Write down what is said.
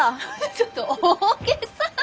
ちょっと大げさ。